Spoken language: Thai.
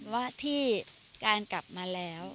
ว่าที่การกลับมาแล้ว